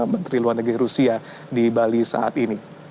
menteri luar negeri rusia di bali saat ini